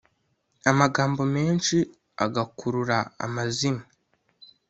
amagambo menshi agakurura amazimwe